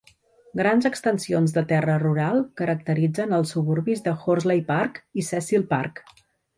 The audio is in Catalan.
Grans extensions de terra rural caracteritzen els suburbis de Horsley Park i Cecil Park.